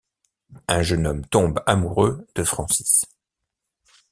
Un jeune homme tombe amoureux de Francis.